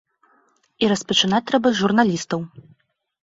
І распачынаць трэба з журналістаў.